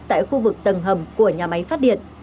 tại khu vực tầng hầm của nhà máy phát điện